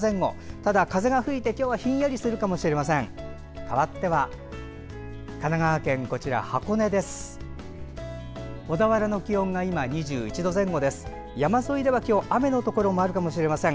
ただ、風が吹いて今日はひんやりするかもしれません。